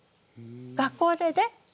学校でね